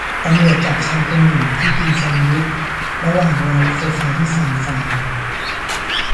ตำรวจจับชายคนหนึ่งที่กินแชนด์วิชระหว่างรอรถไฟฟ้าที่ซานฟราน